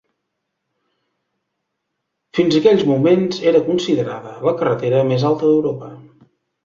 Fins aquells moments era considerada la carretera més alta d'Europa.